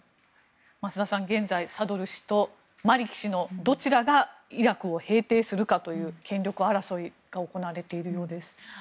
増田さん、現在サドル師とマリキ氏のどちらがイラクを平定するかという権力争いが行われているようです。